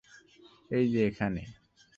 এই যে, এখানে!